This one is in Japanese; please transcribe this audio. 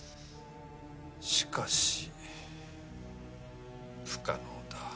しかし不可能だ。